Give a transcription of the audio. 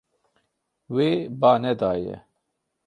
Wê ba nedaye.